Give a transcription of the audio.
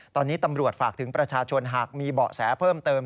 ตอนนี้ตำรวจฝากถึงประชาชนหากมีเบาะแสเพิ่มเติม